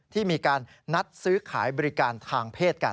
ที่มีการนัดซื้อขายบริการทางเพศกัน